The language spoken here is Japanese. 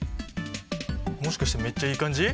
もしかしてめっちゃいい感じ？